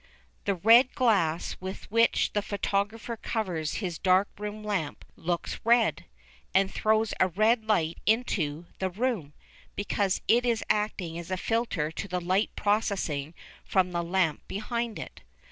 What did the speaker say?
The red glass with which the photographer covers his dark room lamp looks red, and throws a red light into the room, because it is acting as a filter to the light proceeding from the lamp behind it.